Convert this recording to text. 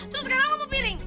terus sekarang lo mau piring